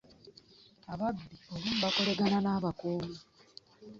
Ababbi olumu bakolagana nabakumi.